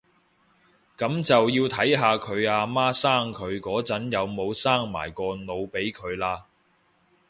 噉就要睇下佢阿媽生佢嗰陣有冇生埋個腦俾佢喇